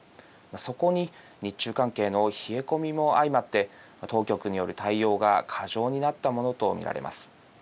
そこに日中関係の冷え込みも相まって当局による対応が過剰になったものと見られます。